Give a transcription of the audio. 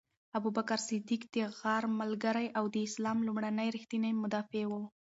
ابوبکر صدیق د غار ملګری او د اسلام لومړنی ریښتینی مدافع و.